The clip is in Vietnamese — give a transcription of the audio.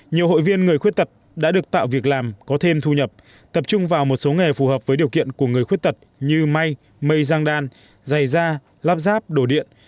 nhiều hội viên người khuyết tật đã được tạo việc làm có thêm thu nhập tập trung vào một số nghề phù hợp với điều kiện của người khuyết tật như may mây giang đan dày da lắp ráp đổ điện